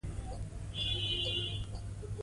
ښکلي مطالب ولیکئ.